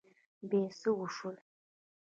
بيا څه وشول؟